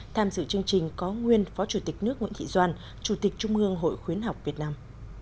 tham dự chương trình có nguyên phó chủ tịch nước nguyễn thị doan chủ tịch trung ương hội khuyến học việt nam